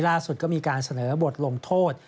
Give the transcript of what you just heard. ล่าสุดก็มีการเสนอบทลงโทษ